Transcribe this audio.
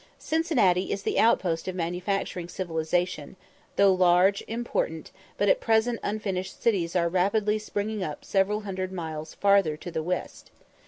Cincinnati is the outpost of manufacturing civilization, though large, important, but at present unfinished cities are rapidly springing up several hundred miles farther to the west.